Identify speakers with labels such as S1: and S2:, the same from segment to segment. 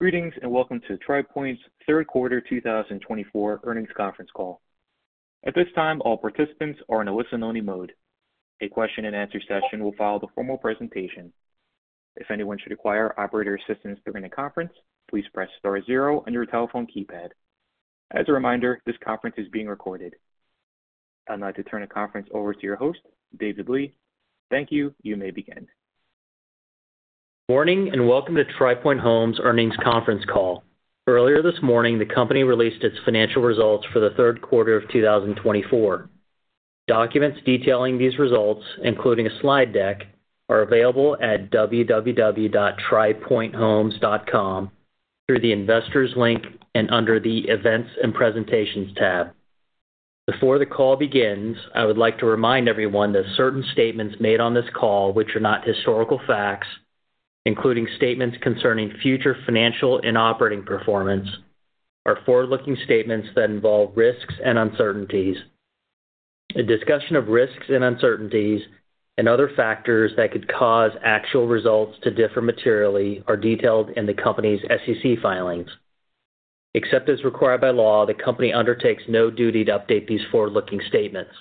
S1: Greetings, and welcome to Tri Pointe's third quarter 2024 earnings conference call. At this time, all participants are in a listen-only mode. A question-and-answer session will follow the formal presentation. If anyone should require operator assistance during the conference, please press star zero on your telephone keypad. As a reminder, this conference is being recorded. I'd now like to turn the conference over to your host, David Lee. Thank you. You may begin.
S2: Good morning, and welcome to Tri Pointe Homes earnings conference call. Earlier this morning, the company released its financial results for the third quarter of two thousand and twenty-four. Documents detailing these results, including a slide deck, are available at www.tripointehomes.com through the Investors link and under the Events and Presentations tab. Before the call begins, I would like to remind everyone that certain statements made on this call, which are not historical facts, including statements concerning future financial and operating performance, are forward-looking statements that involve risks and uncertainties. A discussion of risks and uncertainties and other factors that could cause actual results to differ materially are detailed in the company's SEC filings. Except as required by law, the company undertakes no duty to update these forward-looking statements.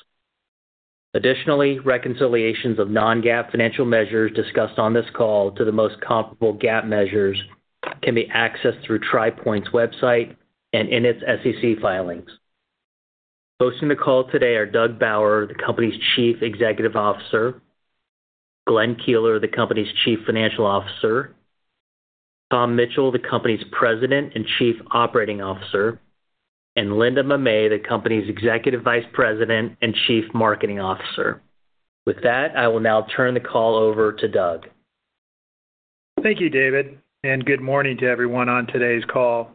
S2: Additionally, reconciliations of non-GAAP financial measures discussed on this call to the most comparable GAAP measures can be accessed through Tri Pointe's website and in its SEC filings. Hosting the call today are Doug Bauer, the company's Chief Executive Officer, Glenn Keeler, the company's Chief Financial Officer, Tom Mitchell, the company's President and Chief Operating Officer, and Linda Mamet, the company's Executive Vice President and Chief Marketing Officer. With that, I will now turn the call over to Doug.
S3: Thank you, David, and good morning to everyone on today's call.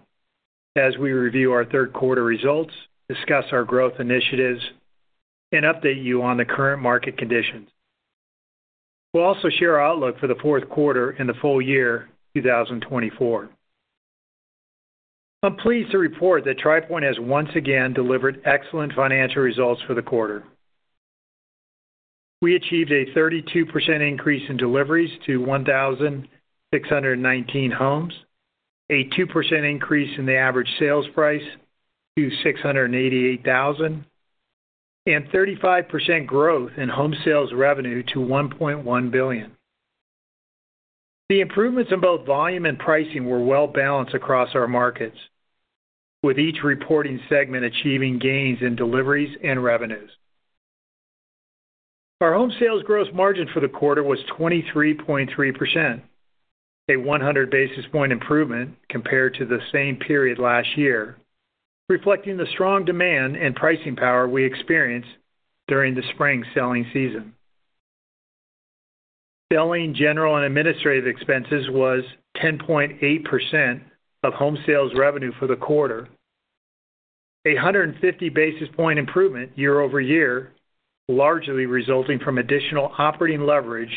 S3: As we review our third quarter results, discuss our growth initiatives, and update you on the current market conditions, we'll also share our outlook for the fourth quarter and the full year 2024. I'm pleased to report that Tri Pointe has once again delivered excellent financial results for the quarter. We achieved a 32% increase in deliveries to 1,619 homes, a 2% increase in the average sales price to $688,000, and 35% growth in home sales revenue to $1.1 billion. The improvements in both volume and pricing were well balanced across our markets, with each reporting segment achieving gains in deliveries and revenues. Our home sales gross margin for the quarter was 23.3%, a 100 basis point improvement compared to the same period last year, reflecting the strong demand and pricing power we experienced during the spring selling season. Selling, General, and Administrative expenses was 10.8% of home sales revenue for the quarter, a 150 basis point improvement year over year, largely resulting from additional operating leverage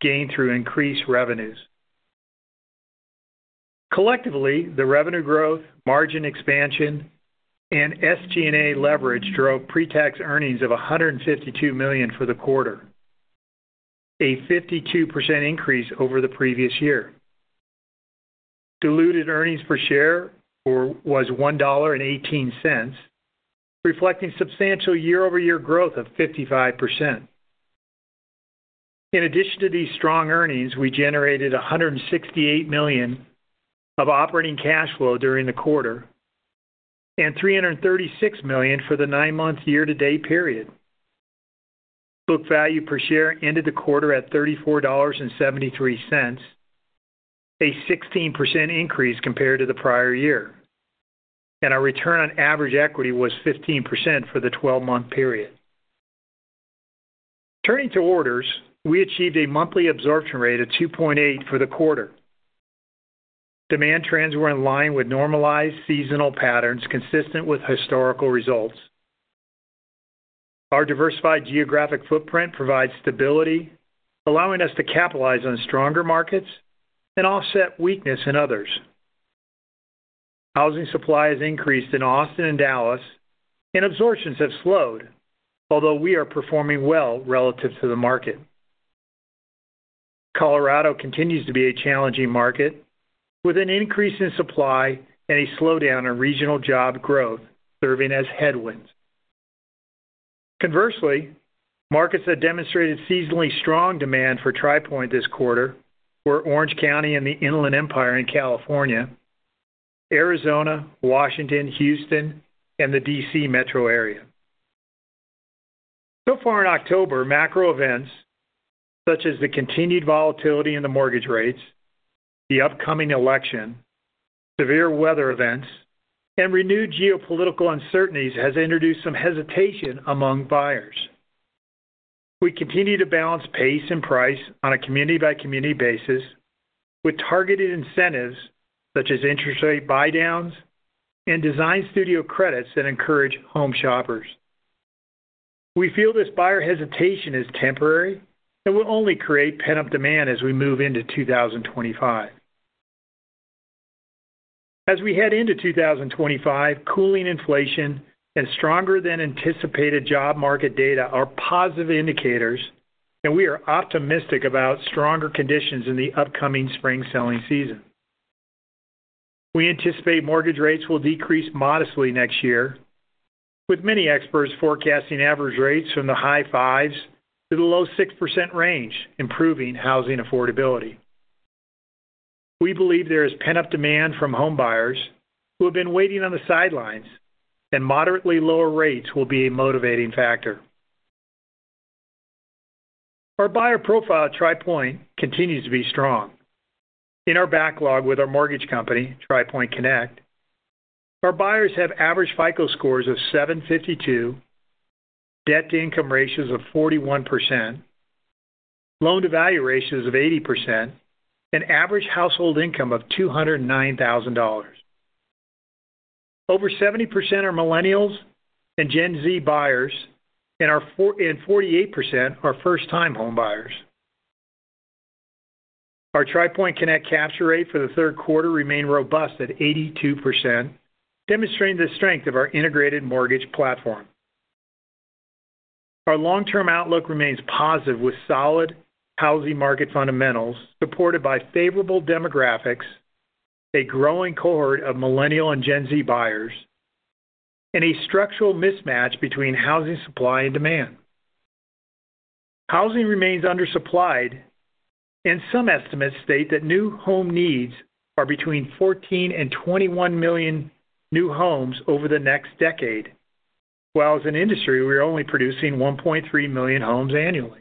S3: gained through increased revenues. Collectively, the revenue growth, margin expansion, and SG&A leverage drove pre-tax earnings of $152 million for the quarter, a 52% increase over the previous year. Diluted earnings per share was $1.18, reflecting substantial year-over-year growth of 55%. In addition to these strong earnings, we generated $168 million of operating cash flow during the quarter and $336 million for the nine-month year-to-date period. Book value per share ended the quarter at $34.73, a 16% increase compared to the prior year, and our return on average equity was 15% for the twelve-month period. Turning to orders, we achieved a monthly absorption rate of 2.8 for the quarter. Demand trends were in line with normalized seasonal patterns, consistent with historical results. Our diversified geographic footprint provides stability, allowing us to capitalize on stronger markets and offset weakness in others. Housing supply has increased in Austin and Dallas, and absorptions have slowed, although we are performing well relative to the market. Colorado continues to be a challenging market, with an increase in supply and a slowdown in regional job growth serving as headwinds. Conversely, markets that demonstrated seasonally strong demand for Tri Pointe this quarter were Orange County and the Inland Empire in California, Arizona, Washington, Houston, and the DC Metro Area. So far in October, macro events such as the continued volatility in the mortgage rates, the upcoming election, severe weather events, and renewed geopolitical uncertainties has introduced some hesitation among buyers. We continue to balance pace and price on a community-by-community basis with targeted incentives such as interest rate buydowns and Design Studio credits that encourage home shoppers. We feel this buyer hesitation is temporary and will only create pent-up demand as we move into two thousand and twenty-five. As we head into two thousand and twenty-five, cooling inflation and stronger than anticipated job market data are positive indicators, and we are optimistic about stronger conditions in the upcoming spring selling season. We anticipate mortgage rates will decrease modestly next year, with many experts forecasting average rates from the high 5s to the low 6% range, improving housing affordability. We believe there is pent-up demand from homebuyers who have been waiting on the sidelines, and moderately lower rates will be a motivating factor. Our buyer profile at Tri Pointe continues to be strong. In our backlog with our mortgage company, Tri Pointe Connect, our buyers have average FICO scores of 752, debt-to-income ratios of 41%, loan-to-value ratios of 80%, and average household income of $209,000. Over 70% are Millennials and Gen Z buyers, and 44.8% are first-time homebuyers. Our Tri Pointe Connect capture rate for the third quarter remained robust at 82%, demonstrating the strength of our integrated mortgage platform. Our long-term outlook remains positive, with solid housing market fundamentals supported by favorable demographics, a growing cohort of Millennial and Gen Z buyers, and a structural mismatch between housing supply and demand. Housing remains undersupplied, and some estimates state that new home needs are between 14 and 21 million new homes over the next decade, while as an industry, we are only producing 1.3 million homes annually.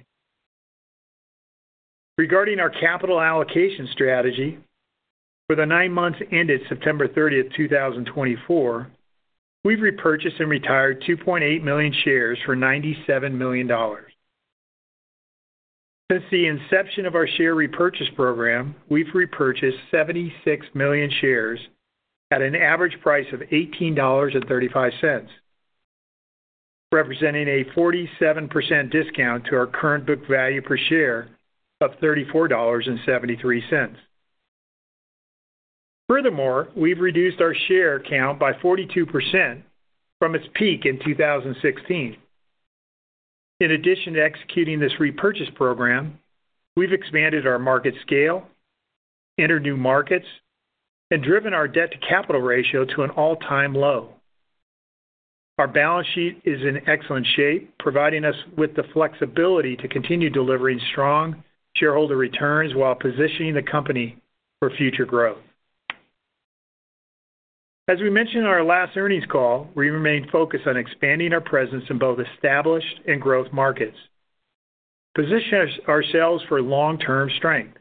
S3: Regarding our capital allocation strategy, for the nine months ended September 30, 2024, we've repurchased and retired 2.8 million shares for $97 million. Since the inception of our share repurchase program, we've repurchased 76 million shares at an average price of $18.35, representing a 47% discount to our current book value per share of $34.73. Furthermore, we've reduced our share count by 42% from its peak in 2016. In addition to executing this repurchase program, we've expanded our market scale, entered new markets, and driven our debt-to-capital ratio to an all-time low. Our balance sheet is in excellent shape, providing us with the flexibility to continue delivering strong shareholder returns while positioning the company for future growth. As we mentioned in our last earnings call, we remain focused on expanding our presence in both established and growth markets, positioning ourselves for long-term strength.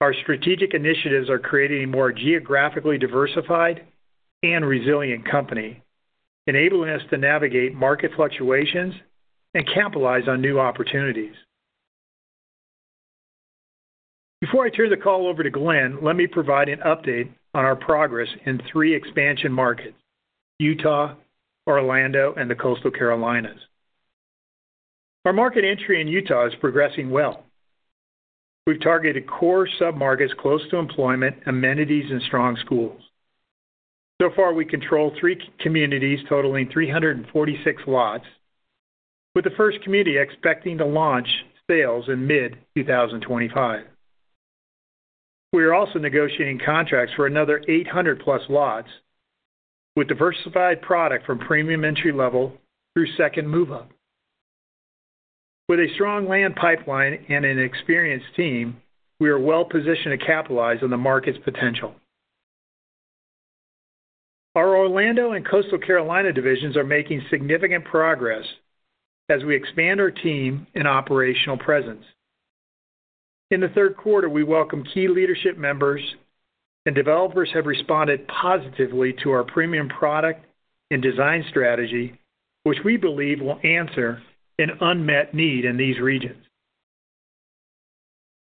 S3: Our strategic initiatives are creating a more geographically diversified and resilient company, enabling us to navigate market fluctuations and capitalize on new opportunities. Before I turn the call over to Glenn, let me provide an update on our progress in three expansion markets: Utah, Orlando, and the Coastal Carolinas. Our market entry in Utah is progressing well. We've targeted core submarkets close to employment, amenities, and strong schools. So far, we control three communities totaling 346 lots, with the first community expecting to launch sales in mid-2025. We are also negotiating contracts for another 800-plus lots with diversified product from premium entry-level through second move-up. With a strong land pipeline and an experienced team, we are well-positioned to capitalize on the market's potential. Our Orlando and Coastal Carolinas divisions are making significant progress as we expand our team and operational presence. In the third quarter, we welcomed key leadership members, and developers have responded positively to our premium product and design strategy, which we believe will answer an unmet need in these regions.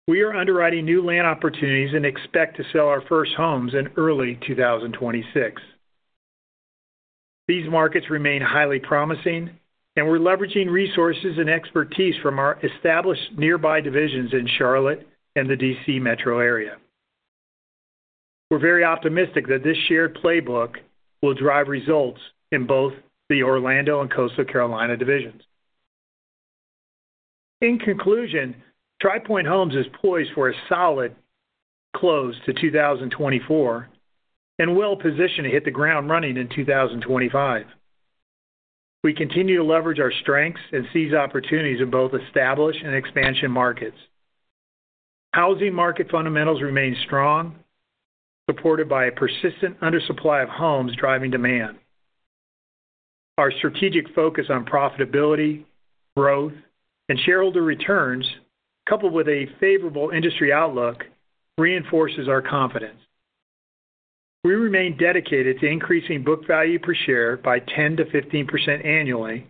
S3: We are underwriting new land opportunities and expect to sell our first homes in early 2026. These markets remain highly promising, and we're leveraging resources and expertise from our established nearby divisions in Charlotte and the DC Metro Area. We're very optimistic that this shared playbook will drive results in both the Orlando and Coastal Carolinas divisions. In conclusion, Tri Pointe Homes is poised for a solid close to two thousand and twenty-four and well-positioned to hit the ground running in two thousand and twenty-five. We continue to leverage our strengths and seize opportunities in both established and expansion markets. Housing market fundamentals remain strong, supported by a persistent undersupply of homes driving demand. Our strategic focus on profitability, growth, and shareholder returns, coupled with a favorable industry outlook, reinforces our confidence. We remain dedicated to increasing book value per share by 10%-15% annually,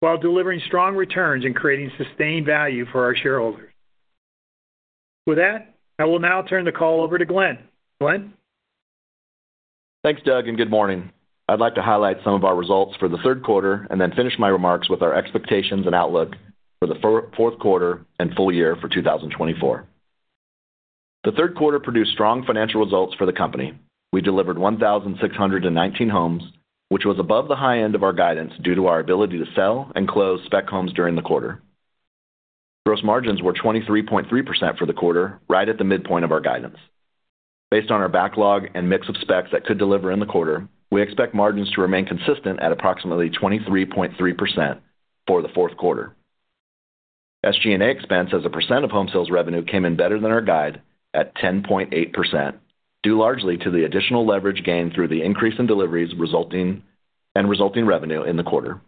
S3: while delivering strong returns and creating sustained value for our shareholders. With that, I will now turn the call over to Glenn. Glenn?...
S4: Thanks, Doug, and good morning. I'd like to highlight some of our results for the third quarter and then finish my remarks with our expectations and outlook for the fourth quarter and full year for 2024. The third quarter produced strong financial results for the company. We delivered 1,619 homes, which was above the high end of our guidance due to our ability to sell and close spec homes during the quarter. Gross margins were 23.3% for the quarter, right at the midpoint of our guidance. Based on our backlog and mix of specs that could deliver in the quarter, we expect margins to remain consistent at approximately 23.3% for the fourth quarter. SG&A expense as a percent of home sales revenue came in better than our guide at 10.8%, due largely to the additional leverage gained through the increase in deliveries, resulting revenue in the quarter.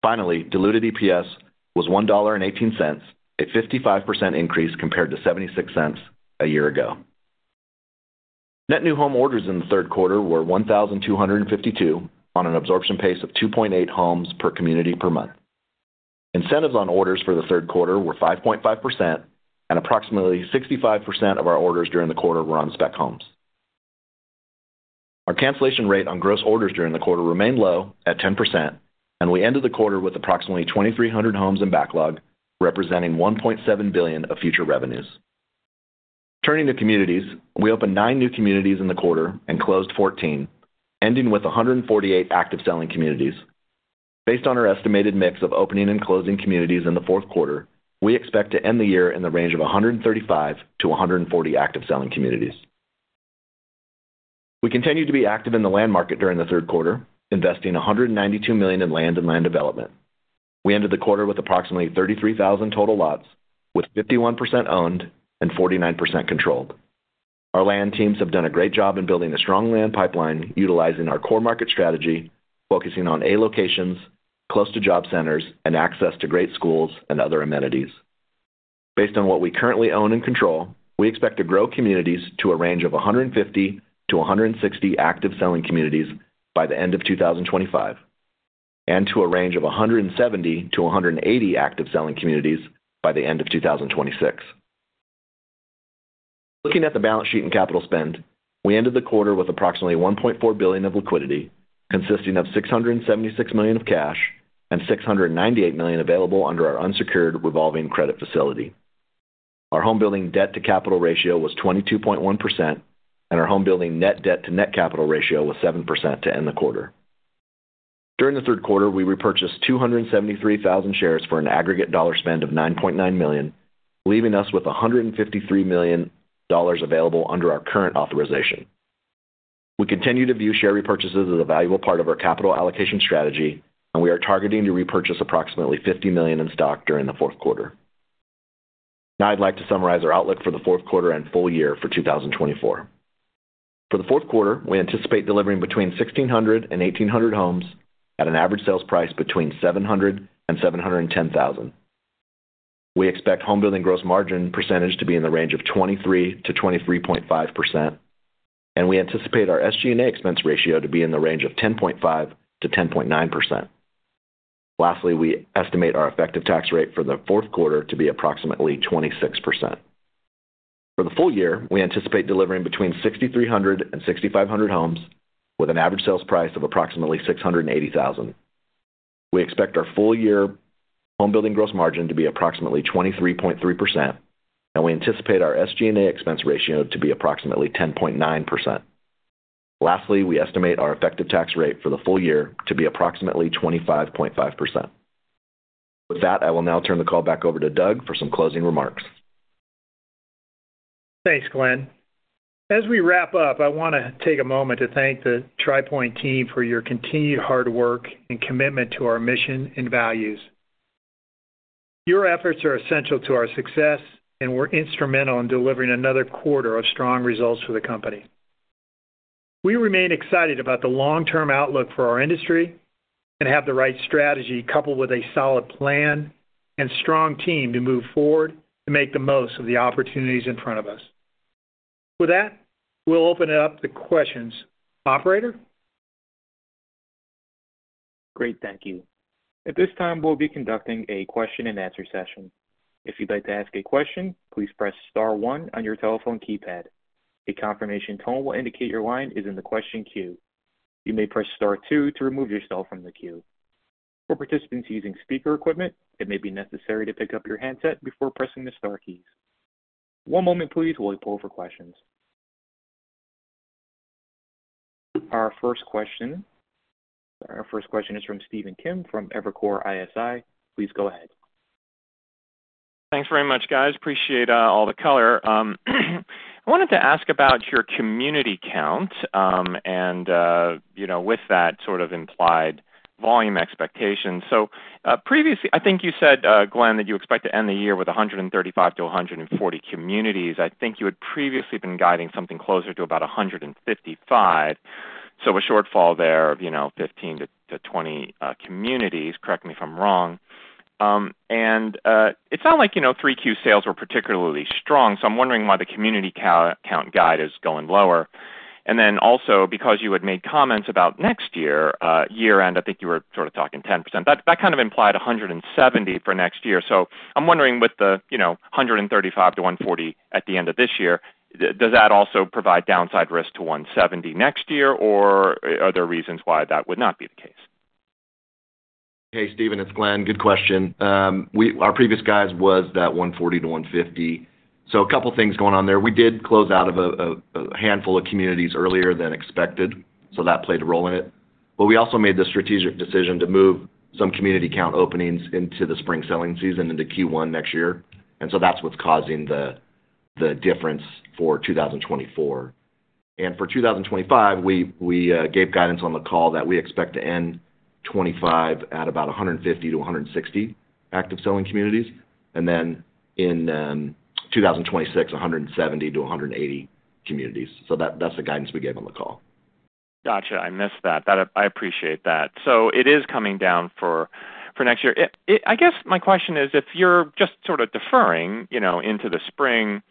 S4: Finally, diluted EPS was $1.18, a 55% increase compared to $0.76 a year ago. Net new home orders in the third quarter were 1,252, on an absorption pace of 2.8 homes per community per month. Incentives on orders for the third quarter were 5.5%, and approximately 65% of our orders during the quarter were on spec homes. Our cancellation rate on gross orders during the quarter remained low at 10%, and we ended the quarter with approximately 2,300 homes in backlog, representing $1.7 billion of future revenues. Turning to communities, we opened nine new communities in the quarter and closed 14, ending with 148 active selling communities. Based on our estimated mix of opening and closing communities in the fourth quarter, we expect to end the year in the range of 135-140 active selling communities. We continued to be active in the land market during the third quarter, investing $192 million in land and land development. We ended the quarter with approximately 33,000 total lots, with 51% owned and 49% controlled. Our land teams have done a great job in building a strong land pipeline, utilizing our core market strategy, focusing on A locations, close to job centers, and access to great schools and other amenities. Based on what we currently own and control, we expect to grow communities to a range of 150-160 active selling communities by the end of 2025, and to a range of 170-180 active selling communities by the end of 2026. Looking at the balance sheet and capital spend, we ended the quarter with approximately $1.4 billion of liquidity, consisting of $676 million of cash and $698 million available under our unsecured revolving credit facility. Our home building debt to capital ratio was 22.1%, and our home building net debt to net capital ratio was 7% to end the quarter. During the third quarter, we repurchased 273,000 shares for an aggregate spend of $9.9 million, leaving us with $153 million available under our current authorization. We continue to view share repurchases as a valuable part of our capital allocation strategy, and we are targeting to repurchase approximately $50 million in stock during the fourth quarter. Now I'd like to summarize our outlook for the fourth quarter and full year for 2024. For the fourth quarter, we anticipate delivering between 1,600 and 1,800 homes at an average sales price between $700,000 and $710,000. We expect home building gross margin percentage to be in the range of 23-23.5%, and we anticipate our SG&A expense ratio to be in the range of 10.5-10.9%. Lastly, we estimate our effective tax rate for the fourth quarter to be approximately 26%. For the full year, we anticipate delivering between 6,300 and 6,500 homes, with an average sales price of approximately $680,000. We expect our full year home building gross margin to be approximately 23.3%, and we anticipate our SG&A expense ratio to be approximately 10.9%. Lastly, we estimate our effective tax rate for the full year to be approximately 25.5%. With that, I will now turn the call back over to Doug for some closing remarks.
S3: Thanks, Glenn. As we wrap up, I want to take a moment to thank the Tri Pointe team for your continued hard work and commitment to our mission and values. Your efforts are essential to our success, and were instrumental in delivering another quarter of strong results for the company. We remain excited about the long-term outlook for our industry and have the right strategy, coupled with a solid plan and strong team, to move forward to make the most of the opportunities in front of us. With that, we'll open it up to questions. Operator?
S1: Great, thank you. At this time, we'll be conducting a question-and-answer session. If you'd like to ask a question, please press star one on your telephone keypad. A confirmation tone will indicate your line is in the question queue. You may press star two to remove yourself from the queue. For participants using speaker equipment, it may be necessary to pick up your handset before pressing the star keys. One moment please while we pull for questions. Our first question is from Stephen Kim from Evercore ISI. Please go ahead.
S5: Thanks very much, guys. Appreciate all the color. I wanted to ask about your community count, and, you know, with that, sort of implied volume expectation. So, previously, I think you said, Glenn, that you expect to end the year with a hundred and thirty-five to a hundred and forty communities. I think you had previously been guiding something closer to about a hundred and fifty-five. So a shortfall there of, you know, fifteen to twenty communities. Correct me if I'm wrong. And, it's not like, you know, 3Q sales were particularly strong, so I'm wondering why the community count guide is going lower. And then also because you had made comments about next year, year end, I think you were sort of talking 10%. That kind of implied 170 for next year. So I'm wondering with the, you know, 135 to 140 at the end of this year, does that also provide downside risk to 170 next year, or are there reasons why that would not be the case? ...
S4: Hey, Stephen, it's Glenn. Good question. Our previous guidance was 140-150. So a couple things going on there. We did close out of a handful of communities earlier than expected, so that played a role in it. But we also made the strategic decision to move some community count openings into the spring selling season into Q1 next year. And so that's what's causing the difference for 2024. And for 2025, we gave guidance on the call that we expect to end 2025 at about 150-160 active selling communities. And then in 2026, 170-180 communities. So that's the guidance we gave on the call.
S5: Gotcha. I missed that. That, I appreciate that. So it is coming down for next year. I guess my question is, if you're just sort of deferring, you know, into the spring,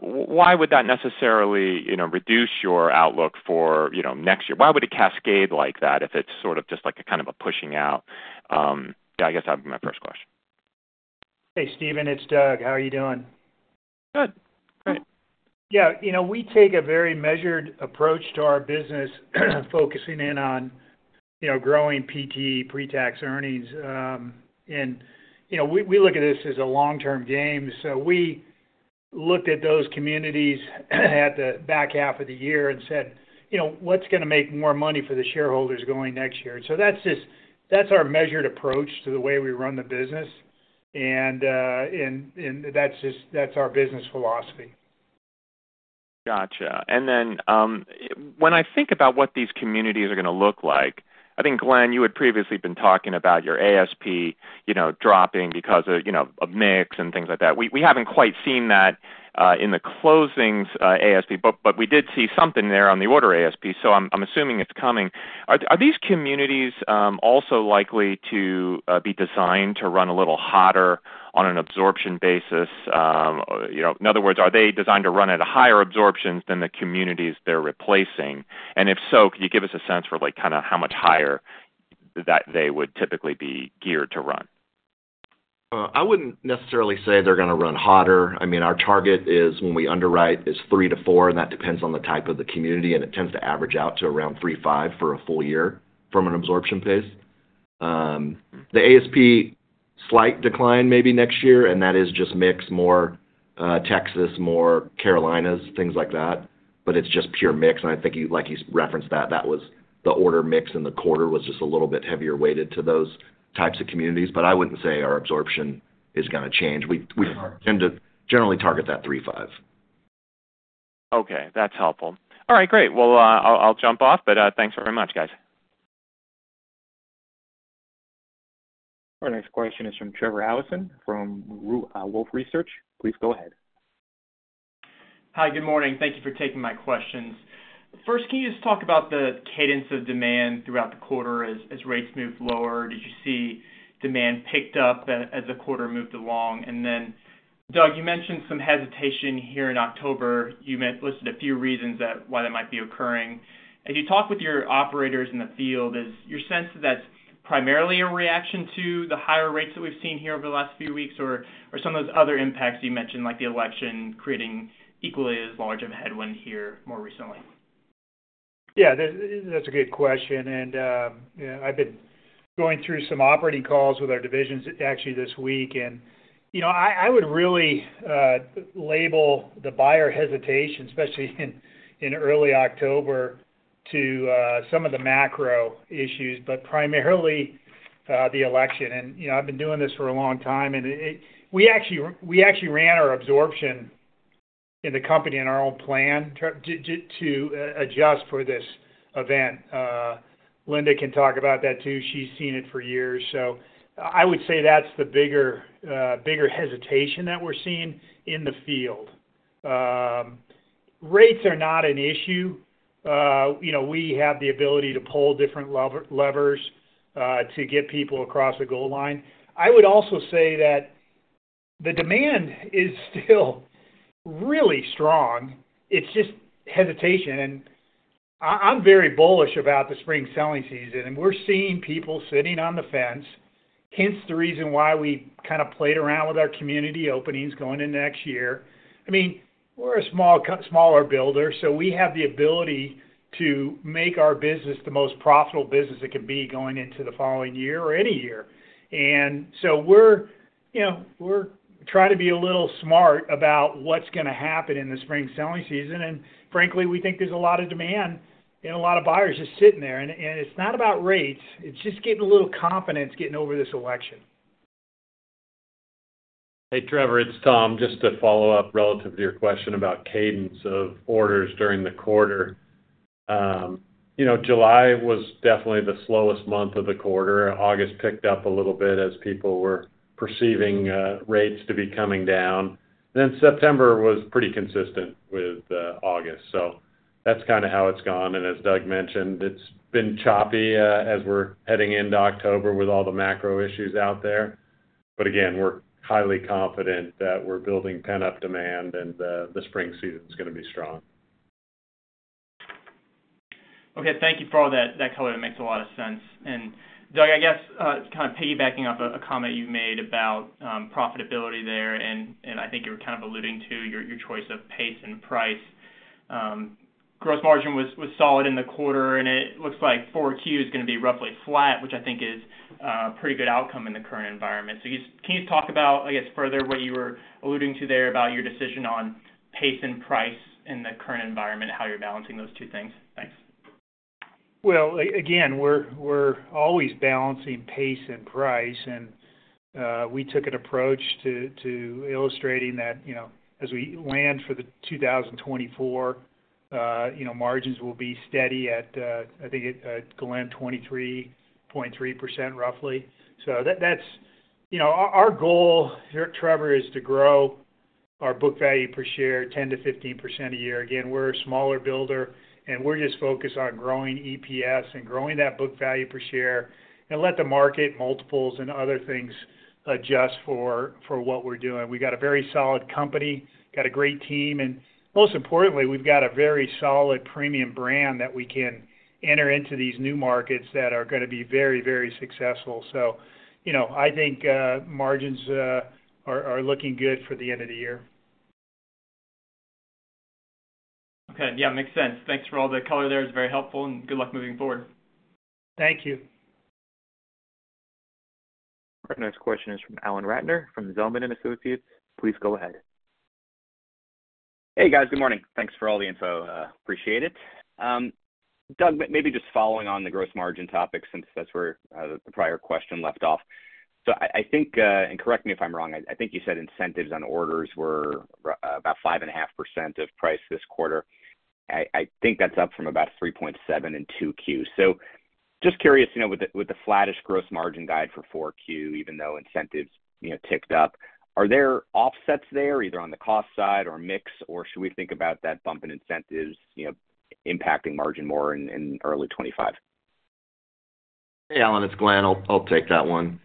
S5: why would that necessarily, you know, reduce your outlook for, you know, next year? Why would it cascade like that if it's sort of just like a kind of a pushing out? Yeah, I guess that's my first question.
S3: Hey, Stephen, it's Doug. How are you doing?
S5: Good. Great.
S3: Yeah, you know, we take a very measured approach to our business, focusing in on, you know, growing PT, pre-tax earnings. And, you know, we look at this as a long-term game. So we looked at those communities at the back half of the year and said, "You know, what's gonna make more money for the shareholders going next year?" So that's just our measured approach to the way we run the business, and that's just our business philosophy.
S5: Gotcha. And then, when I think about what these communities are gonna look like, I think, Glenn, you had previously been talking about your ASP, you know, dropping because of, you know, of mix and things like that. We haven't quite seen that in the closings ASP, but we did see something there on the order ASP, so I'm assuming it's coming. Are these communities also likely to be designed to run a little hotter on an absorption basis? You know, in other words, are they designed to run at a higher absorption than the communities they're replacing? And if so, can you give us a sense for, like, kind of how much higher that they would typically be geared to run?
S4: I wouldn't necessarily say they're gonna run hotter. I mean, our target is, when we underwrite, 3-4, and that depends on the type of the community, and it tends to average out to around 3.5 for a full year from an absorption pace. The ASP, slight decline maybe next year, and that is just mix more Texas, more Carolinas, things like that, but it's just pure mix. And I think you—like you referenced that, that was the order mix in the quarter, was just a little bit heavier weighted to those types of communities. But I wouldn't say our absorption is gonna change. We tend to generally target that 3.5.
S5: Okay, that's helpful. All right, great. Well, I'll jump off, but thanks very much, guys.
S1: Our next question is from Trevor Allinson, from Wolfe Research. Please go ahead.
S6: Hi, good morning. Thank you for taking my questions. First, can you just talk about the cadence of demand throughout the quarter as rates moved lower? Did you see demand picked up as the quarter moved along? And then, Doug, you mentioned some hesitation here in October. You listed a few reasons why that might be occurring. As you talk with your operators in the field, is your sense that that's primarily a reaction to the higher rates that we've seen here over the last few weeks, or some of those other impacts you mentioned, like the election, creating equally as large of a headwind here more recently?
S3: Yeah, that, that's a good question. And, you know, I've been going through some operating calls with our divisions actually this week, and, you know, I would really label the buyer hesitation, especially in early October, to some of the macro issues, but primarily the election. And, you know, I've been doing this for a long time, and it. We actually ran our absorption in the company and our own plan to adjust for this event. Linda can talk about that, too. She's seen it for years. So I would say that's the bigger hesitation that we're seeing in the field. Rates are not an issue. You know, we have the ability to pull different levers to get people across the goal line. I would also say that the demand is still really strong. It's just hesitation. And I'm very bullish about the spring selling season, and we're seeing people sitting on the fence, hence the reason why we kind of played around with our community openings going into next year. I mean, we're a smaller builder, so we have the ability to make our business the most profitable business it can be going into the following year or any year. And so we're, you know, we're trying to be a little smart about what's gonna happen in the spring selling season. And frankly, we think there's a lot of demand and a lot of buyers just sitting there. And it's not about rates, it's just getting a little confidence getting over this election.
S7: Hey, Trevor, it's Tom. Just to follow up relative to your question about cadence of orders during the quarter. You know, July was definitely the slowest month of the quarter. August picked up a little bit as people were perceiving, rates to be coming down. Then September was pretty consistent with, August. So that's kind of how it's gone, and as Doug mentioned, it's been choppy, as we're heading into October with all the macro issues out there. But again, we're highly confident that we're building pent-up demand, and the, the spring season is gonna be strong.
S6: Okay, thank you for all that. That color makes a lot of sense. And Doug, I guess, kind of piggybacking off a comment you made about profitability there, and I think you were kind of alluding to your choice of pace and price.... gross margin was solid in the quarter, and it looks like four Q is gonna be roughly flat, which I think is pretty good outcome in the current environment. So can you talk about, I guess, further, what you were alluding to there about your decision on pace and price in the current environment, and how you're balancing those two things? Thanks.
S3: Again, we're always balancing pace and price, and we took an approach to illustrating that, you know, as we land for 2024, you know, margins will be steady at, Glenn, 23.3%, roughly. So that's... You know, our goal here, Trevor, is to grow our book value per share 10% to 15% a year. Again, we're a smaller builder, and we're just focused on growing EPS and growing that book value per share and let the market multiples and other things adjust for what we're doing. We got a very solid company, got a great team, and most importantly, we've got a very solid premium brand that we can enter into these new markets that are gonna be very, very successful. You know, I think margins are looking good for the end of the year.
S6: Okay. Yeah, makes sense. Thanks for all the color there. It's very helpful, and good luck moving forward.
S3: Thank you.
S1: Our next question is from Alan Ratner, from Zelman & Associates. Please go ahead.
S8: Hey, guys. Good morning. Thanks for all the info. Appreciate it. Doug, maybe just following on the gross margin topic, since that's where the prior question left off. So I think, and correct me if I'm wrong, I think you said incentives on orders were about 5.5% of price this quarter. I think that's up from about 3.7% in 2Q. So just curious, you know, with the flattish gross margin guide for 4Q, even though incentives, you know, ticked up, are there offsets there, either on the cost side or mix, or should we think about that bump in incentives, you know, impacting margin more in early 2025?
S4: Hey, Alan, it's Glenn. I'll take that one.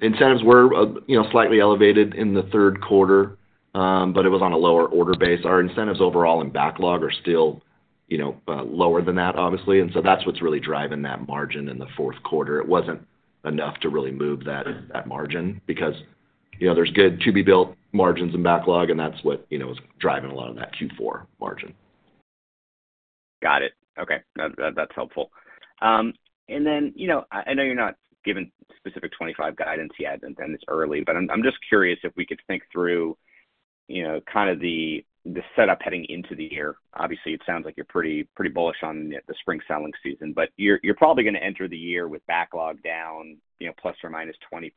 S4: Incentives were, you know, slightly elevated in the third quarter, but it was on a lower order base. Our incentives overall and backlog are still, you know, lower than that, obviously, and so that's what's really driving that margin in the fourth quarter. It wasn't enough to really move that margin because, you know, there's good to-be-built margins and backlog, and that's what, you know, is driving a lot of that Q4 margin.
S8: Got it. Okay. That, that's helpful. And then, you know, I know you're not giving specific twenty-five guidance yet, and it's early, but I'm just curious if we could think through, you know, kind of the setup heading into the year. Obviously, it sounds like you're pretty bullish on the spring selling season, but you're probably gonna enter the year with backlog down, you know, plus or minus 20%.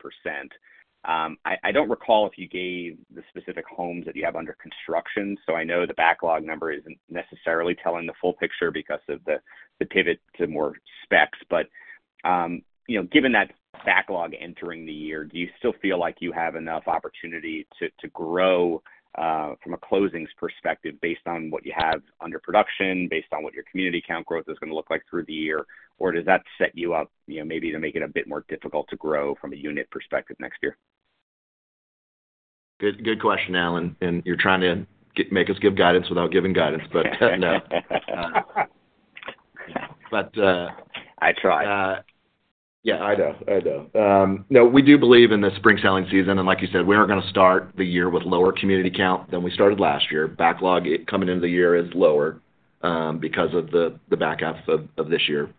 S8: I don't recall if you gave the specific homes that you have under construction, so I know the backlog number isn't necessarily telling the full picture because of the pivot to more specs. But, you know, given that backlog entering the year, do you still feel like you have enough opportunity to grow, from a closings perspective, based on what you have under production, based on what your community count growth is gonna look like through the year? Or does that set you up, you know, maybe to make it a bit more difficult to grow from a unit perspective next year?
S4: Good, good question, Alan, and you're trying to get-- make us give guidance without giving guidance, but no. But,
S8: I try.
S4: Yeah, I know, I know. No, we do believe in the spring selling season, and like you said, we aren't gonna start the year with lower community count than we started last year. Backlog coming into the year is lower, because of the back half of this year.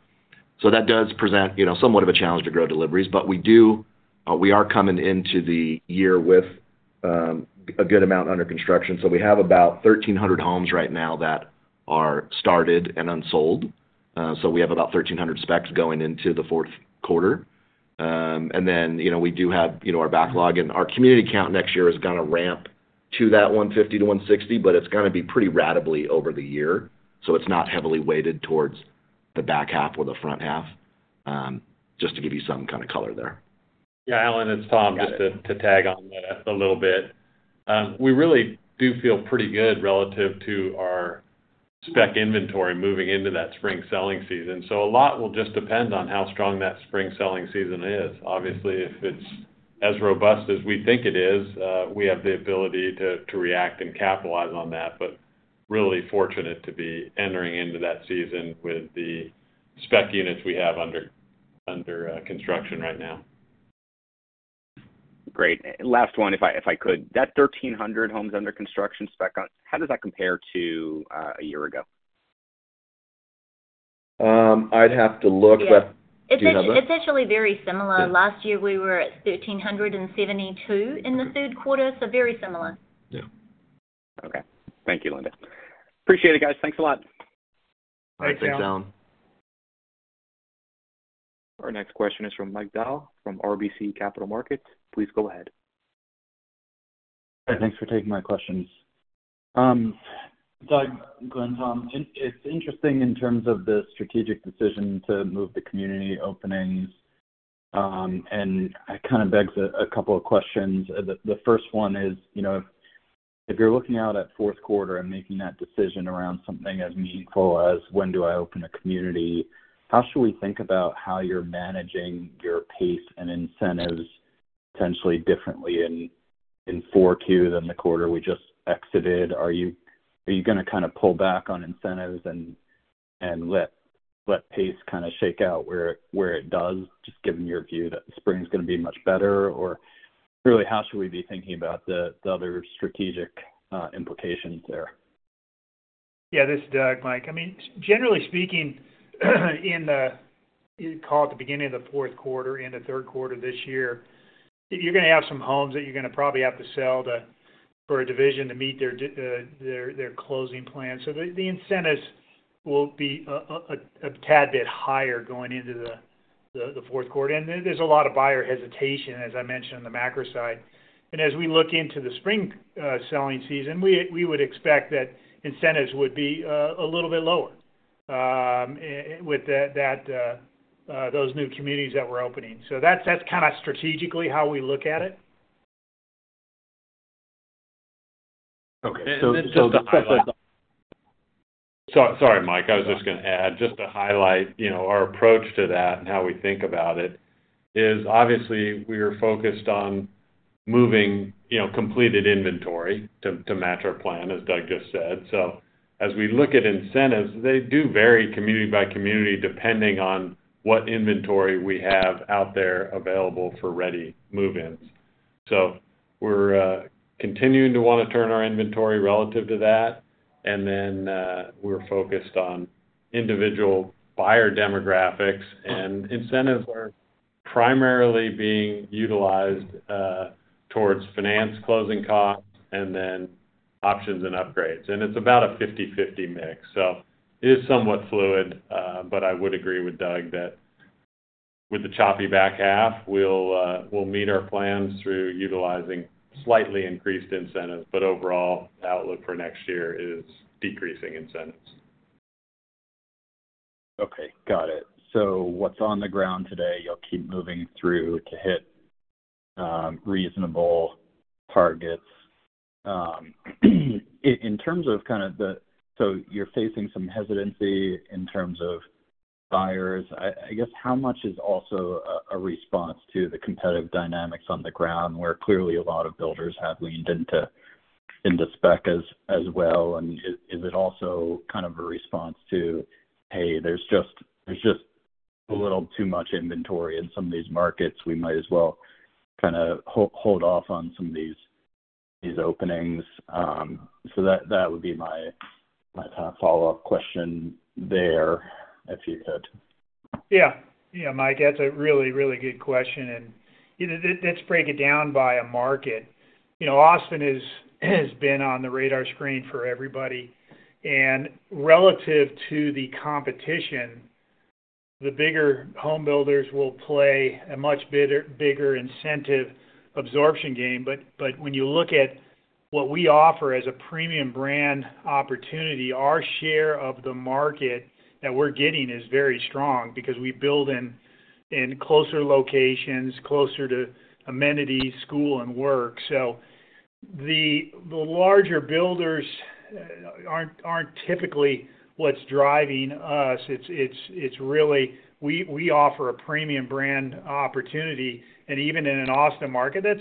S4: So that does present, you know, somewhat of a challenge to grow deliveries, but we do we are coming into the year with a good amount under construction. So we have about thirteen hundred homes right now that are started and unsold. So we have about thirteen hundred specs going into the fourth quarter. And then, you know, we do have, you know, our backlog and our community count next year is gonna ramp to that 150-160, but it's gonna be pretty ratably over the year, so it's not heavily weighted towards the back half or the front half. Just to give you some kind of color there.
S7: Yeah, Alan, it's Tom.
S8: Got it.
S7: Just to tag on that a little bit. We really do feel pretty good relative to our spec inventory moving into that spring selling season, so a lot will just depend on how strong that spring selling season is. Obviously, if it's as robust as we think it is, we have the ability to react and capitalize on that, but really fortunate to be entering into that season with the spec units we have under construction right now.
S8: Great. Last one, if I could. That thirteen hundred homes under construction spec, how does that compare to a year ago?
S4: I'd have to look, but-
S3: Yeah.
S4: Do you have that?
S3: It's actually very similar.
S4: Yeah.
S3: Last year, we were at 1,372 in the third quarter, so very similar.
S4: Yeah.
S8: Okay. Thank you, Glenn. Appreciate it, guys. Thanks a lot.
S4: Bye, thanks, Alan.
S7: Thanks, Alan.
S1: Our next question is from Mike Dahl, from RBC Capital Markets. Please go ahead.
S9: Hey, thanks for taking my questions. Doug, Glenn, Tom, it's interesting in terms of the strategic decision to move the community openings, and it kind of begs a couple of questions. The first one is, you know, if you're looking out at fourth quarter and making that decision around something as meaningful as when do I open a community, how should we think about how you're managing your pace and incentives potentially differently in four Q than the quarter we just exited? Are you gonna kind of pull back on incentives and let pace kind of shake out where it does, just given your view that the spring is going to be much better? Or really, how should we be thinking about the other strategic implications there?
S3: Yeah, this is Doug, Mike. I mean, generally speaking, in the, call it the beginning of the fourth quarter, in the third quarter this year, you're going to have some homes that you're going to probably have to sell for a division to meet their closing plan. So the incentives will be a tad bit higher going into the fourth quarter. And then there's a lot of buyer hesitation, as I mentioned, on the macro side. And as we look into the spring selling season, we would expect that incentives would be a little bit lower with those new communities that we're opening. So that's kind of strategically how we look at it.
S9: Okay, so-
S7: Sorry, Mike, I was just going to add, just to highlight, you know, our approach to that and how we think about it is obviously, we are focused on moving, you know, completed inventory to match our plan, as Doug just said. So as we look at incentives, they do vary community by community, depending on what inventory we have out there available for ready move-ins. We're continuing to want to turn our inventory relative to that, and then, we're focused on individual buyer demographics, and incentives are primarily being utilized towards finance closing costs and then options and upgrades. It's about a fifty/fifty mix, so it is somewhat fluid. But I would agree with Doug that with the choppy back half, we'll meet our plans through utilizing slightly increased incentives, but overall, outlook for next year is decreasing incentives.
S9: Okay, got it. So what's on the ground today, you'll keep moving through to hit reasonable targets. In terms of kind of the... So you're facing some hesitancy in terms of buyers. I guess, how much is also a response to the competitive dynamics on the ground, where clearly a lot of builders have leaned into spec as well? And is it also kind of a response to, hey, there's just a little too much inventory in some of these markets, we might as well kind of hold off on some of these openings? So that would be my kind of follow-up question there, if you could.
S3: Yeah. Yeah, Mike, that's a really, really good question, and, you know, let's break it down by a market. You know, Austin has been on the radar screen for everybody, and relative to the competition, the bigger home builders will play a much bigger incentive absorption game. But when you look at what we offer as a premium brand opportunity, our share of the market that we're getting is very strong because we build in closer locations, closer to amenities, school, and work. So the larger builders aren't typically what's driving us. It's really we offer a premium brand opportunity, and even in an Austin market that's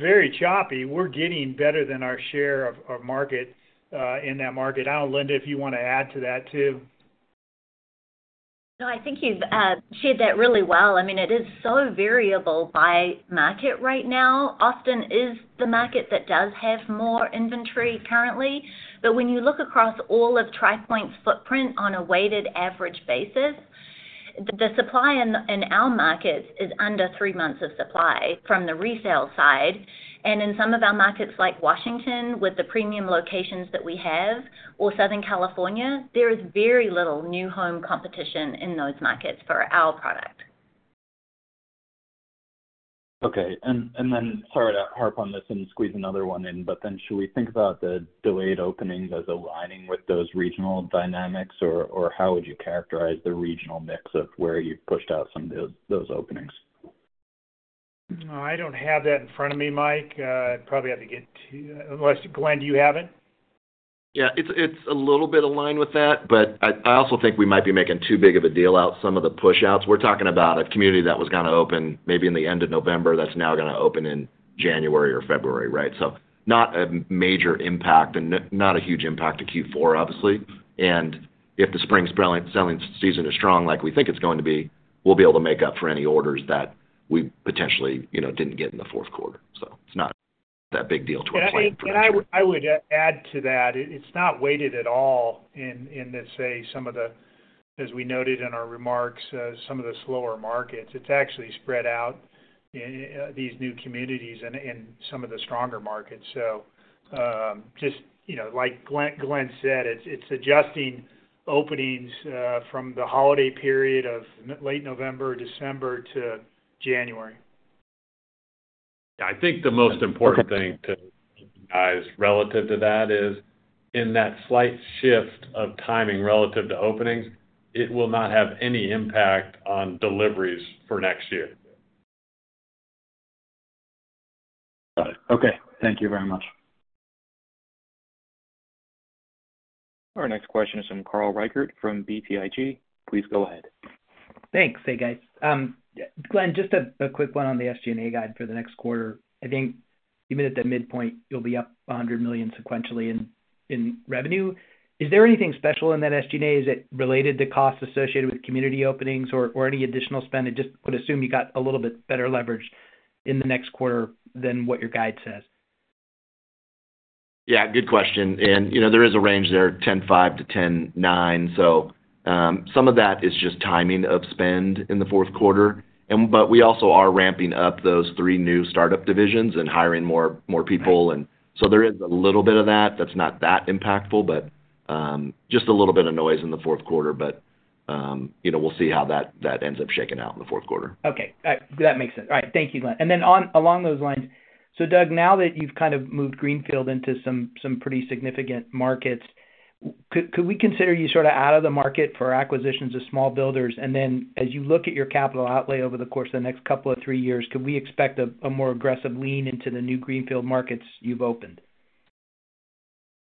S3: very choppy, we're getting better than our share of market in that market. I don't know, Linda, if you want to add to that, too.
S10: No, I think you've shared that really well. I mean, it is so variable by market right now. Austin is the market that does have more inventory currently, but when you look across all of Tri Pointe's footprint on a weighted average basis, the supply in our markets is under three months of supply from the resale side. And in some of our markets, like Washington, with the premium locations that we have, or Southern California, there is very little new home competition in those markets for our product.
S9: Okay, and then, sorry to harp on this and squeeze another one in, but then should we think about the delayed openings as aligning with those regional dynamics? Or how would you characterize the regional mix of where you pushed out some of those openings?
S3: I don't have that in front of me, Mike. I'd probably have to get to you. Unless, Glenn, do you have it?
S7: Yeah, it's a little bit aligned with that, but I also think we might be making too big of a deal out of some of the push-outs. We're talking about a community that was going to open maybe in the end of November, that's now going to open in January or February, right? So not a major impact and not a huge impact to Q4, obviously. And if the spring selling season is strong like we think it's going to be, we'll be able to make up for any orders that we potentially, you know, didn't get in the fourth quarter. So it's not that big a deal to our plan for next year.
S3: I would add to that. It's not weighted at all in, let's say, as we noted in our remarks, some of the slower markets. It's actually spread out in these new communities and in some of the stronger markets. So, just, you know, like Glenn said, it's adjusting openings from the holiday period of late November, December to January.
S7: I think the most important thing to recognize relative to that is, in that slight shift of timing relative to openings, it will not have any impact on deliveries for next year.
S9: Got it. Okay, thank you very much.
S1: Our next question is from Carl Reichardt from BTIG. Please go ahead....
S11: Thanks. Hey, guys. Glenn, just a quick one on the SG&A guide for the next quarter. I think even at the midpoint, you'll be up $100 million sequentially in revenue. Is there anything special in that SG&A? Is it related to costs associated with community openings or any additional spend? I just would assume you got a little bit better leverage in the next quarter than what your guide says.
S4: Yeah, good question. And, you know, there is a range there, 10.5 to 10.9, so, some of that is just timing of spend in the fourth quarter. And but we also are ramping up those three new startup divisions and hiring more people. And so there is a little bit of that, that's not that impactful, but, just a little bit of noise in the fourth quarter. But, you know, we'll see how that ends up shaking out in the fourth quarter.
S11: Okay. That makes sense. All right, thank you, Glenn. And then on along those lines, so Doug, now that you've kind of moved greenfield into some pretty significant markets, could we consider you sort of out of the market for acquisitions of small builders? And then as you look at your capital outlay over the course of the next couple of three years, could we expect a more aggressive lean into the new greenfield markets you've opened?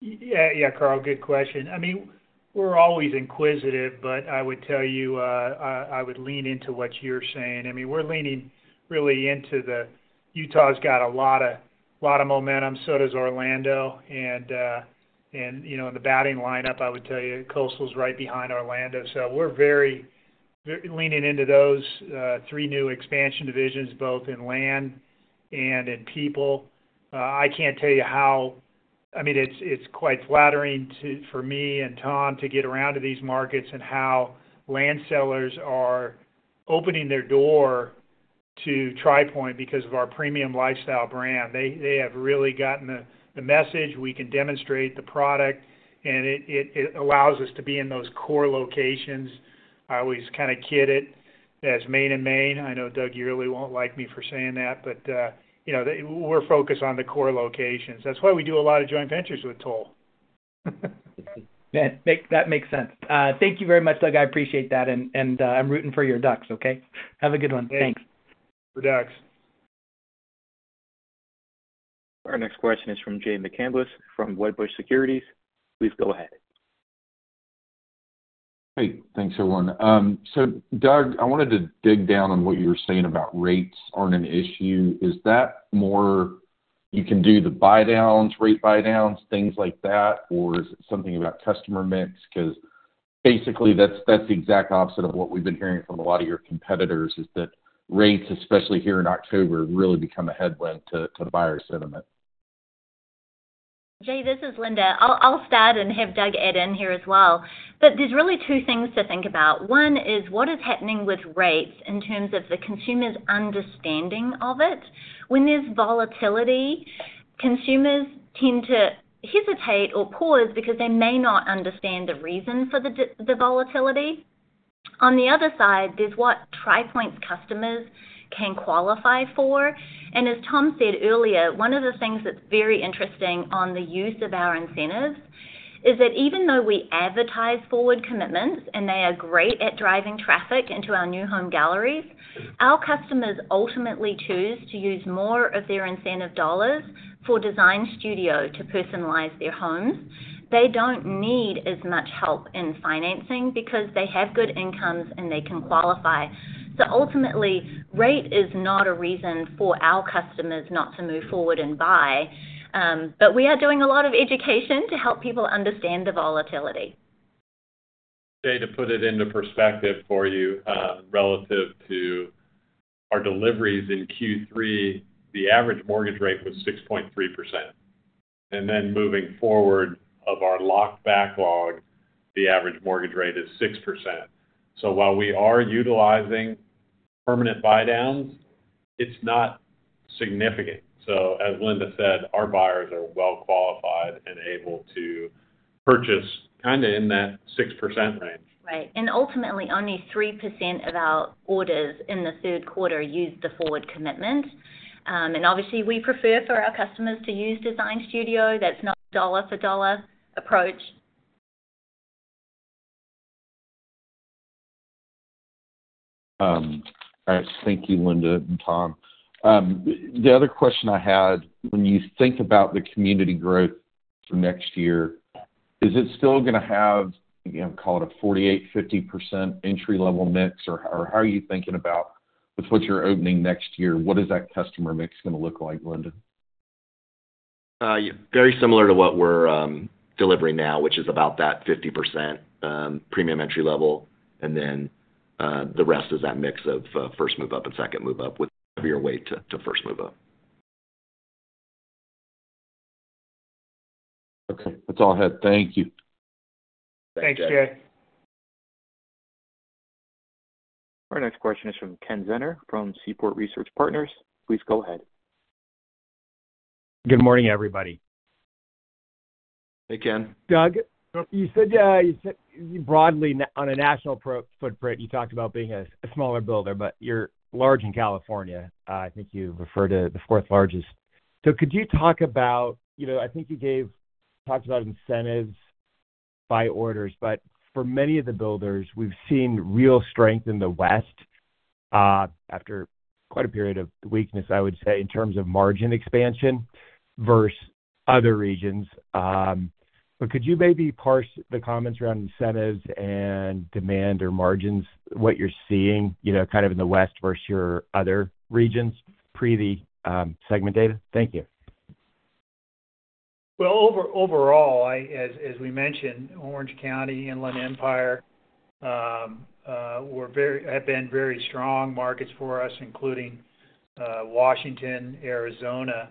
S3: Yeah, yeah, Carl, good question. I mean, we're always inquisitive, but I would tell you, I would lean into what you're saying. I mean, we're leaning really into the... Utah's got a lot of momentum, so does Orlando. And, and, you know, in the batting lineup, I would tell you, Coastal is right behind Orlando. So we're very leaning into those, three new expansion divisions, both in land and in people. I can't tell you how- I mean, it's quite flattering to, for me and Tom to get around to these markets and how land sellers are opening their door to Tri Pointe because of our premium lifestyle brand. They have really gotten the message. We can demonstrate the product, and it allows us to be in those core locations. I always kind of kid it as Main and Main. I know Doug Yearley won't like me for saying that, but, you know, we're focused on the core locations. That's why we do a lot of joint ventures with Toll.
S11: Yeah, that makes sense. Thank you very much, Doug. I appreciate that. And I'm rooting for your Ducks, okay? Have a good one.
S3: Thanks.
S11: Thanks.
S3: For Ducks.
S1: Our next question is from Jay McCanless, from Wedbush Securities. Please go ahead.
S12: Hey, thanks, everyone. So Doug, I wanted to dig down on what you were saying about rates aren't an issue. Is that more you can do the buy downs, rate buy downs, things like that, or is it something about customer mix? 'Cause basically, that's the exact opposite of what we've been hearing from a lot of your competitors, is that rates, especially here in October, have really become a headwind to the buyer sentiment.
S10: Jay, this is Linda. I'll start and have Doug add in here as well. But there's really two things to think about. One is, what is happening with rates in terms of the consumer's understanding of it? When there's volatility, consumers tend to hesitate or pause because they may not understand the reason for the volatility. On the other side, there's what Tri Pointe's customers can qualify for. And as Tom said earlier, one of the things that's very interesting on the use of our incentives is that even though we advertise forward commitments and they are great at driving traffic into our new home galleries, our customers ultimately choose to use more of their incentive dollars for Design Studio to personalize their homes. They don't need as much help in financing because they have good incomes, and they can qualify. So ultimately, rate is not a reason for our customers not to move forward and buy. But we are doing a lot of education to help people understand the volatility.
S11: Jay, to put it into perspective for you, relative to our deliveries in Q3, the average mortgage rate was 6.3%. And then moving forward of our locked backlog, the average mortgage rate is 6%. So while we are utilizing permanent buy downs, it's not significant. So as Linda said, our buyers are well qualified and able to purchase kind of in that 6% range.
S10: Right. And ultimately, only 3% of our orders in the third quarter used the forward commitment, and obviously, we prefer for our customers to use Design Studio. That's not dollar-for-dollar approach.
S12: All right. Thank you, Linda and Tom. The other question I had, when you think about the community growth for next year, is it still gonna have, you know, call it a 48-50% entry-level mix, or, or how are you thinking about with what you're opening next year? What is that customer mix gonna look like, Linda?
S4: Very similar to what we're delivering now, which is about that 50% premium entry level, and then the rest is that mix of first move up and second move up, with heavier weight to first move up.
S12: Okay, that's all I had. Thank you.
S3: Thanks, Jay.
S1: Our next question is from Ken Zener, from Seaport Research Partners. Please go ahead.
S4: Good morning, everybody.
S11: Hey, Ken.
S4: Doug, you said broadly on a national footprint, you talked about being a smaller builder, but you're large in California. I think you refer to the fourth largest. So could you talk about... You know, I think you talked about incentives by orders, but for many of the builders, we've seen real strength in the West....
S13: after quite a period of weakness, I would say, in terms of margin expansion versus other regions. But could you maybe parse the comments around incentives and demand or margins, what you're seeing, you know, kind of in the West versus your other regions, pre the segment data? Thank you.
S3: Overall, as we mentioned, Orange County, Inland Empire, have been very strong markets for us, including Washington, Arizona.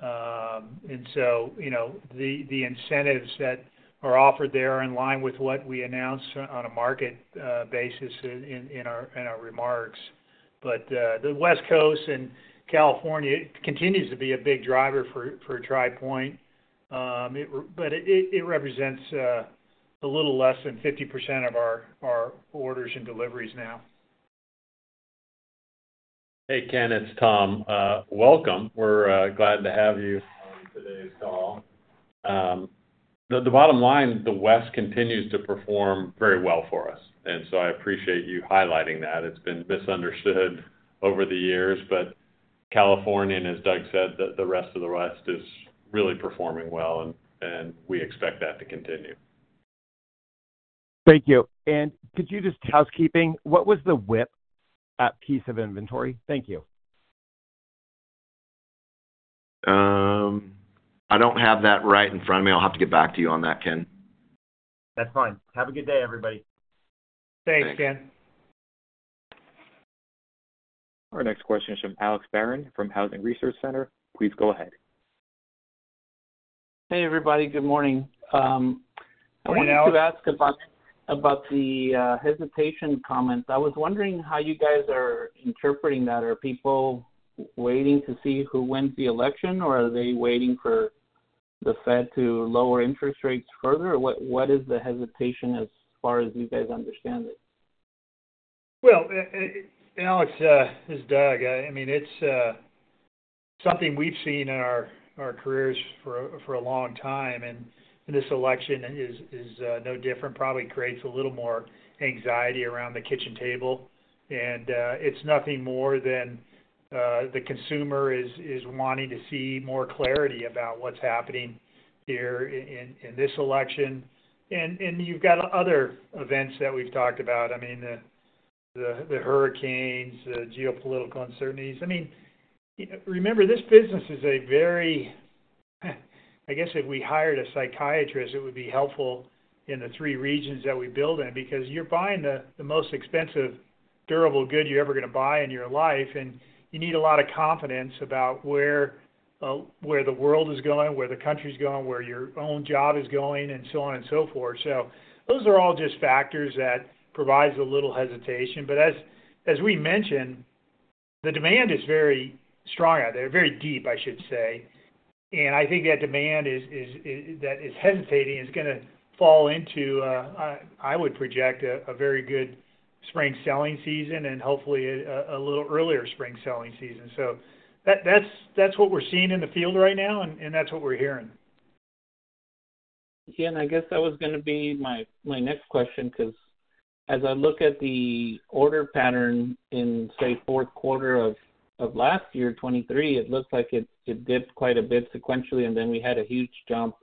S3: And so, you know, the incentives that are offered there are in line with what we announced on a market basis in our remarks. But the West Coast and California continues to be a big driver for Tri Pointe. But it represents a little less than 50% of our orders and deliveries now.
S7: Hey, Ken, it's Tom. Welcome. We're glad to have you on today's call. The bottom line, the West continues to perform very well for us, and so I appreciate you highlighting that. It's been misunderstood over the years, but California, and as Doug said, the rest of the West, is really performing well, and we expect that to continue.
S13: Thank you. And could you just housekeeping? What was the WIP piece of inventory? Thank you.
S7: I don't have that right in front of me. I'll have to get back to you on that, Ken.
S13: That's fine. Have a good day, everybody.
S3: Thanks, Ken.
S1: Our next question is from Alex Barron from Housing Research Center. Please go ahead.
S14: Hey, everybody. Good morning. I wanted to ask about the hesitation comments. I was wondering how you guys are interpreting that. Are people waiting to see who wins the election, or are they waiting for the Fed to lower interest rates further? Or what is the hesitation as far as you guys understand it?
S3: Well, Alex, this is Doug. I mean, it's something we've seen in our careers for a long time, and this election is no different. Probably creates a little more anxiety around the kitchen table, and it's nothing more than the consumer is wanting to see more clarity about what's happening here in this election. And you've got other events that we've talked about. I mean, the hurricanes, the geopolitical uncertainties. I mean, remember, this business is a very... I guess, if we hired a psychiatrist, it would be helpful in the three regions that we build in, because you're buying the most expensive durable good you're ever going to buy in your life, and you need a lot of confidence about where where the world is going, where the country's going, where your own job is going, and so on and so forth. So those are all just factors that provides a little hesitation. But as we mentioned, the demand is very strong out there, very deep, I should say. And I think that demand is that is hesitating, is gonna fall into, I would project, a very good spring selling season and hopefully a little earlier spring selling season. So that's that's what we're seeing in the field right now, and that's what we're hearing.
S14: Yeah, and I guess that was gonna be my next question, 'cause as I look at the order pattern in, say, fourth quarter of last year, 2023, it looks like it dipped quite a bit sequentially, and then we had a huge jump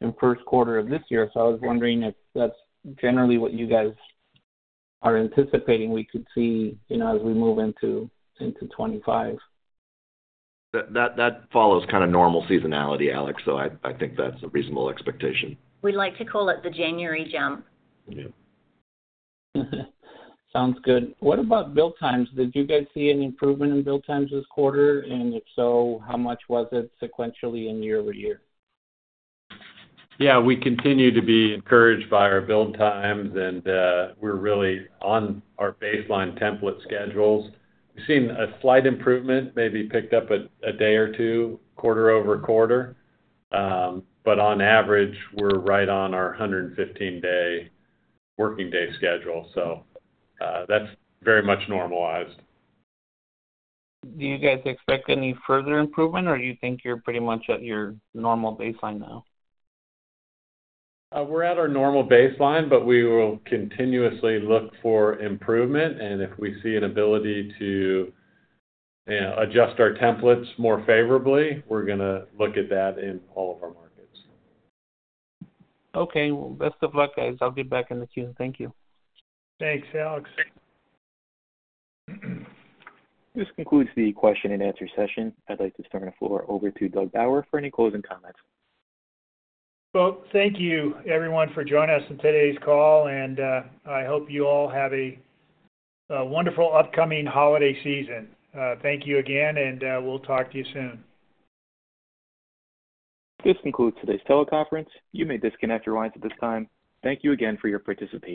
S14: in first quarter of this year. So I was wondering if that's generally what you guys are anticipating we could see, you know, as we move into 2025.
S7: That follows kind of normal seasonality, Alex, so I think that's a reasonable expectation.
S2: We like to call it the January jump.
S7: Yeah.
S14: Sounds good. What about build times? Did you guys see any improvement in build times this quarter, and if so, how much was it sequentially and year over year?
S7: Yeah, we continue to be encouraged by our build times, and we're really on our baseline template schedules. We've seen a slight improvement, maybe picked up a day or two, quarter over quarter, but on average, we're right on our hundred and fifteen-day working day schedule, so that's very much normalized.
S14: Do you guys expect any further improvement, or you think you're pretty much at your normal baseline now?
S7: We're at our normal baseline, but we will continuously look for improvement, and if we see an ability to adjust our templates more favorably, we're gonna look at that in all of our markets.
S14: Okay. Best of luck, guys. I'll get back in the queue. Thank you.
S3: Thanks, Alex.
S1: This concludes the question and answer session. I'd like to turn the floor over to Doug Bauer for any closing comments.
S3: Thank you everyone for joining us on today's call, and I hope you all have a wonderful upcoming holiday season. Thank you again, and we'll talk to you soon.
S1: This concludes today's teleconference. You may disconnect your lines at this time. Thank you again for your participation.